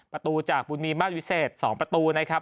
ประตูจากบุญมีมาตรวิเศษ๒ประตูนะครับ